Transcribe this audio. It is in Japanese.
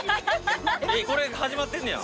これ始まってんねや。